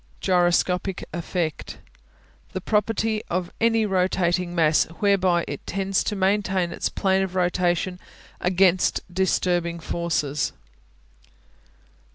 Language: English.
Gyroscopic Effect The property of any rotating mass whereby it tends to maintain its plane of rotation against disturbing forces.